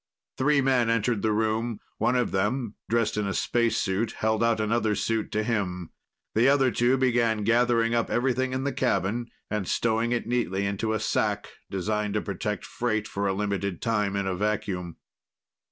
Three men entered the room. One of them, dressed in a spacesuit, held out another suit to him. The other two began gathering up everything in the cabin and stowing it neatly into a sack designed to protect freight for a limited time in a vacuum.